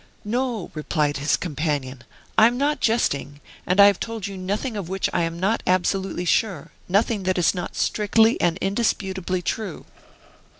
"No," replied his companion, "I am not jesting, and I have told you nothing of which I am not absolutely sure, nothing that is not strictly and indisputably true."